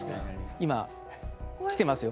今来てますよ。